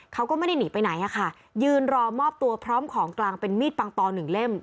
เขาก็ไม่ได้หนีไปไหนอะค่ะยืนรอมอบตัวพร้อมของกลางเป็นมีดปังตอหนึ่งเล่ม